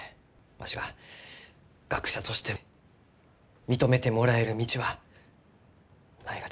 わしが学者として認めてもらえる道はないがですか？